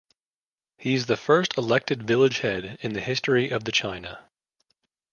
He is the first elected village head in the history of the China.